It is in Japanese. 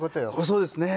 そうですね。